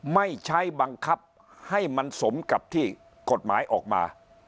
ไม่ใช้บังคับให้มันสมกับที่กฎหมายออกมา